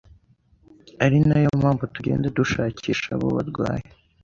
ari nayo mpamvu tugenda dushakisha abo barwaye